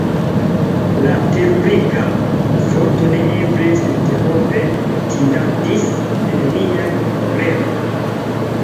La teruriga vorto "neeble!" seninterrompe tintadis en miajn orelojn.